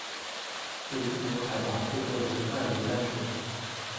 是中国海拔最高的外流淡水湖。